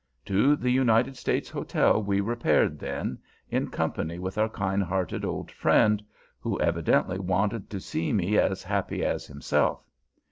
To the United States Hotel we repaired, then, in company with our kind hearted old friend, who evidently wanted to see me as happy as himself.